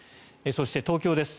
そして、東京です。